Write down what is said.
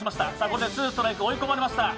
これでツーストライク追い込まれました。